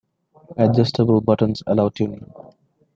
Adjustable buttons allow tuning.